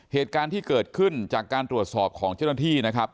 เหตุการณ์ที่เกิดขึ้นจากการตรวจสอบของเจ้าหน้าที่นะครับ